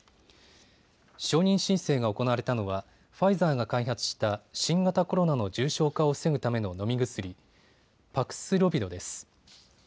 承認申請が行われたのはファイザーが開発した新型コロナの重症化を防ぐための飲み薬、パクスロビドです。